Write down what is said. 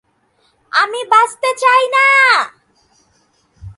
আমি বাঁচতে চাই না।